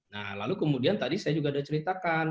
nah lalu kemudian tadi saya juga sudah ceritakan